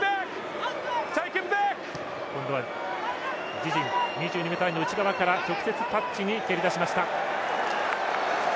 自陣、２２ｍラインの内側から直接、タッチに蹴り出しました。